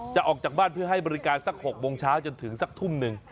ออกจากบ้านเพื่อให้บริการสัก๖โมงเช้าจนถึงสักทุ่มหนึ่ง